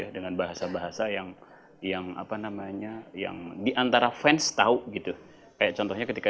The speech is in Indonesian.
dengan bahasa bahasa yang yang apa namanya yang diantara fans tahu gitu kayak contohnya ketika